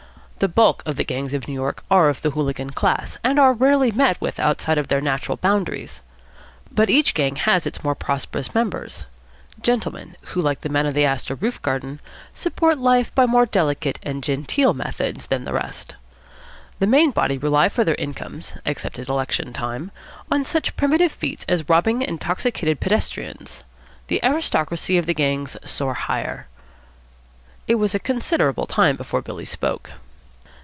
The bulk of the gangs of New York are of the hooligan class, and are rarely met with outside their natural boundaries. But each gang has its more prosperous members; gentlemen, who, like the man of the Astor roof garden, support life by more delicate and genteel methods than the rest. The main body rely for their incomes, except at election time, on such primitive feats as robbing intoxicated pedestrians. The aristocracy of the gangs soar higher. It was a considerable time before Billy spoke.